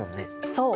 そう！